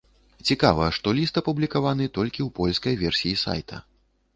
Цікава, што ліст апублікаваны толькі ў польскай версіі сайта.